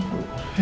papa mau masuk